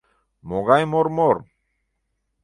Могай мор-мор?!